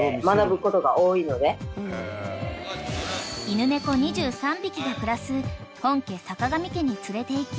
［犬猫２３匹が暮らす本家坂上家に連れていき